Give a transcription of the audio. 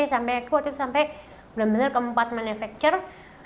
sampai waktu itu sampai bener bener keempat manufacturer